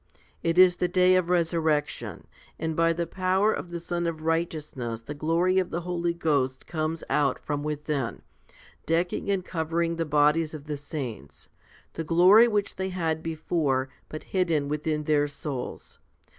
It is the day of resurrection ; and by the power of the Sun of Righteousness the glory of the Holy Ghost comes out from within, decking and covering the bodies of the saints the glory which they had before, but hidden within in their souls.